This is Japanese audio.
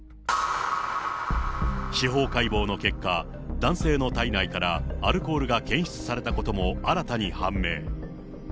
司法解剖の結果、男性の体内からアルコールが検出されたことも新たに判明。